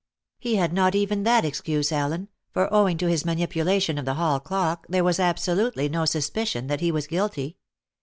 "He had not even that excuse, Allen; for, owing to his manipulation of the hall clock, there was absolutely no suspicion that he was guilty.